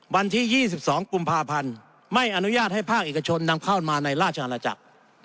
วันที่๒๒กุมภาพันธ์ไม่อนุญาตให้ภาคเอกชนนำเข้ามาในราชอาณาจักร